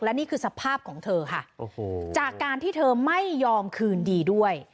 และนี่คือสภาพของเธอค่ะโอ้โหจากการที่เธอไม่ยอมคืนดีด้วย